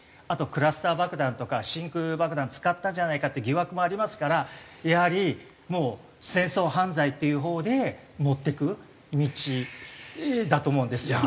あとクラスター爆弾とか真空爆弾使ったんじゃないかっていう疑惑もありますからやはり戦争犯罪っていうほうで持っていく道だと思うんです。